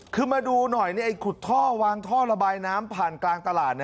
คือมาดูหน่อยขุดท่อวางท่อระบายน้ำผ่านกลางตลาด